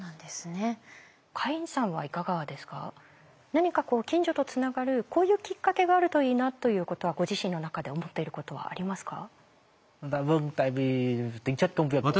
何か近所とつながるこういうきっかけがあるといいなということはご自身の中で思っていることはありますか？